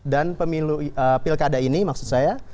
dan pemilu pilkada ini maksud saya